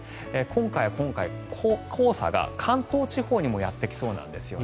今回は黄砂が関東地方にもやってきそうなんです。